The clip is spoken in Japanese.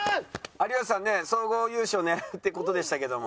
有吉さんね総合優勝狙ってるっていう事でしたけども。